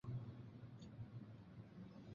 堪察加彼得巴夫洛夫斯克。